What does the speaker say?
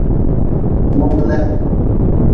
Mogu le.